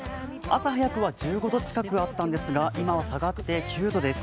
朝早くは１５度近くあったんですが今は下がって９度です。